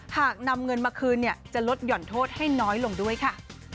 หากนำเงินมาคืนจะลดห่อนโทษให้น้อยลงด้วยค่ะ